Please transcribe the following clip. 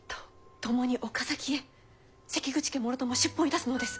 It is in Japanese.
共に岡崎へ関口家もろとも出奔いたすのです。